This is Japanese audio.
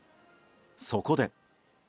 そこで。